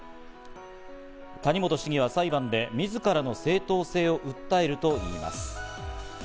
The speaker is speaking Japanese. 谷本市議は裁判でみずからの正当性を訴えるといいます。